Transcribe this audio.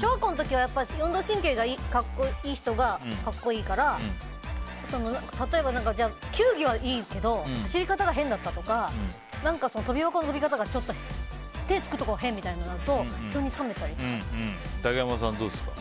小学校の時は運動神経がいい人が格好いいから例えば球技はいいけど走り方が変だったとか跳び箱の跳び方がちょっと手つくところが変みたいなのがあると竹山さん、どうですか？